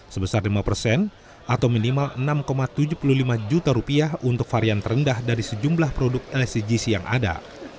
sebesar lima persen atau minimal enam tujuh puluh lima juta rupiah untuk varian terendah dari sejumlah produk lcgc yang ada